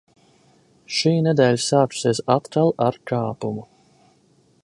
Šī nedēļa sākusies atkal ar kāpumu.